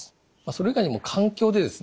それ以外にも環境でですね